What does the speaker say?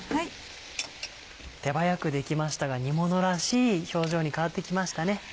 手早くできましたが煮ものらしい表情に変わって来ましたね。